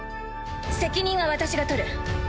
責任は私が取る。